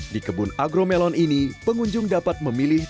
di kebun argo melon ini pengunjung dapat memilih